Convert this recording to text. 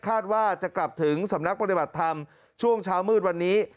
คาดว่าจะกลับถึงสำนักปฏิบัติธรรมช่วงเช้ามืดวันนี้